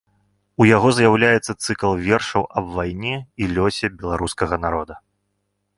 У яго з'яўляецца цыкл вершаў аб вайне і лёсе беларускага народа.